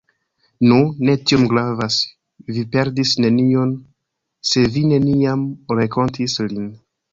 Nu, ne tiom gravas, vi perdis nenion se vi neniam renkontis lin.